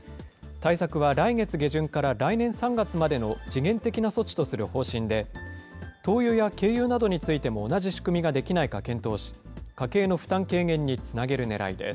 対策は来月下旬から来年３月までの時限的な措置とする方針で、灯油や軽油などについても同じ仕組みができないか検討し、家計の負